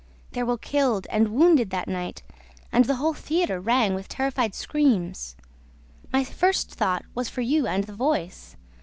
There were killed and wounded that night and the whole theater rang with terrified screams. My first thought was for you and the voice.